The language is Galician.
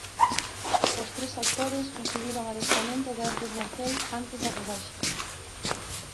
Os tres actores recibiron adestramento de artes marciais antes da rodaxe.